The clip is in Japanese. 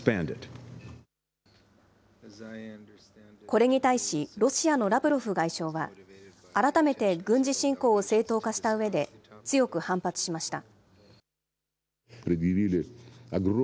これに対し、ロシアのラブロフ外相は、改めて軍事侵攻を正当化したうえで、強く反発しました。